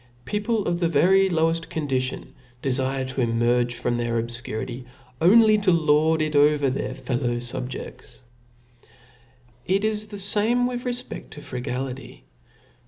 Peq>le of the very loweft condition defire to emerge from their obfturity^ : only to lord it over their fellow fubjeds. It is the fame with refped to frugality.